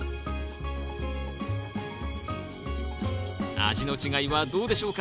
味の違いはどうでしょうか？